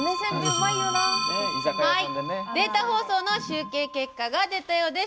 データ放送の集計結果が出たようです。